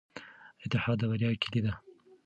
اتحاد د بریا کیلي ده.